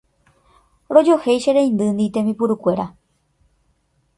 rojohéi che reindyndi tembipurukuéra